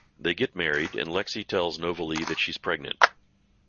They get married, and Lexie tells Novalee that she's pregnant.